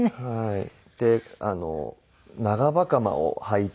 はい。